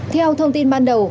theo thông tin ban đầu